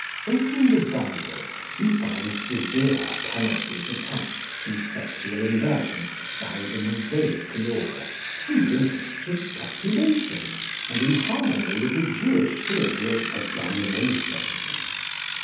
Opening the Bible, we find severe penalties attached to sexual inversion by the Mosaic law, in the interests of population and in harmony with the Jewish theory of abominations.